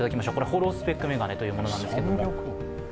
ホロスペックメガネというものなんですけれども。